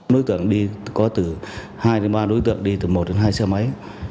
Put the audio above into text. đối tượng đi có từ hai ba đối tượng đi từ một hai xe máy